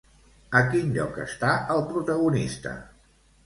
A quin lloc està el protagonista?